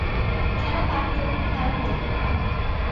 যারা পারত, তারা করবে না।